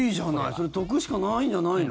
それ、得しかないんじゃないの？